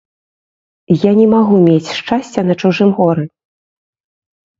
Я не магу мець шчасця на чужым горы.